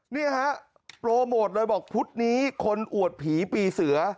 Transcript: นี่ฮะโปรโมทเลยบอกพุธนี้คนอวดผีปีเสือ